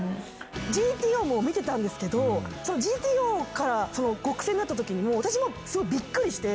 『ＧＴＯ』も見てたんですけど『ＧＴＯ』から『ごくせん』になったときに私もすごいびっくりして。